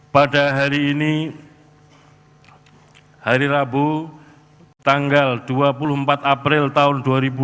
pada hari ini hari rabu tanggal dua puluh empat april tahun dua ribu dua puluh